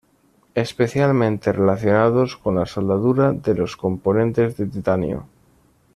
Especialmente relacionados con la soldadura de los componentes de titanio.